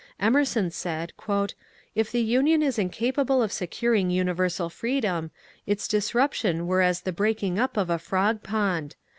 Emerson said, ^^ If the Union is incapable of securing universal freedom, its dis ruption were as the breaking up of a frog pond.